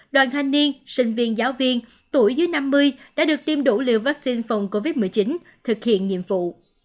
đoàn thanh niên sinh viên giáo viên tuổi dưới năm mươi đã được tiêm đủ liều vaccine phòng covid một mươi chín thực hiện nhiệm vụ